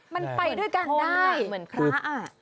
มันไปด้วยกันได้เหมือนพระ